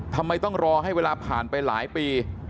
ทำไมต้องรอให้เวลาผ่านไปหลายปี